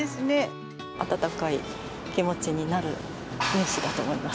温かい気持ちになるニュースだと思います。